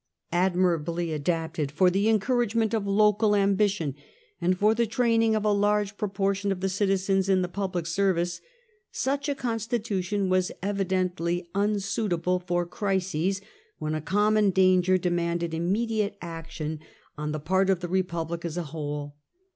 Admirably adapted for the encouragement of local ambition, and for the training of a large proportion of t the citizens in the public service, such a con ts eect. st j tut j on was evidently unsuitable for crises when a common danger demanded immediate action on the part of the Republic as a whole.